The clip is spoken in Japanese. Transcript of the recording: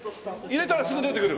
入れたらすぐ出てくる？